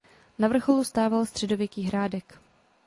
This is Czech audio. Na vrcholu stával středověký hrádek.